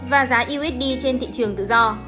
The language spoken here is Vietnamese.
và giá usd trên thị trường tự do